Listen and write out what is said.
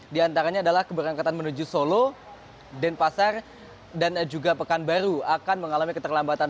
di antaranya adalah keberangkatan menuju solo denpasar dan juga pekanbaru akan mengalami keterlambatan